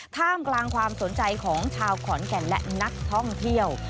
ท่ามกลางความสนใจของชาวขอนแก่นและนักท่องเที่ยว